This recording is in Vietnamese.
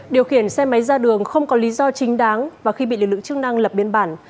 điều khiển xe máy ra đường không có lý do chính đáng và khi bị lực lượng chức năng lập biên bản